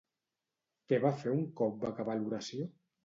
Què va fer un cop va acabar l'oració?